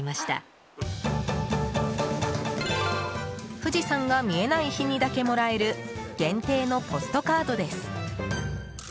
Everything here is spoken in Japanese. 富士山が見えない日にだけもらえる限定のポストカードです。